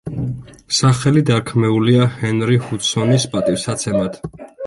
სახელი დარქმეულია ჰენრი ჰუდსონის პატივსაცემად.